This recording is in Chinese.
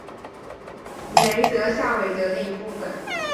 德雷下韦雷的一部分。